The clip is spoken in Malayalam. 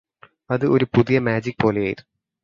അത് ഒരു പുതിയ മാജിക് പോലെയായിരുന്നു